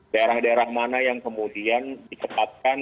daerah daerah mana yang kemudian dicepatkan